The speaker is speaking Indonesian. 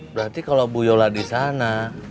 berarti kalau bu yola di sana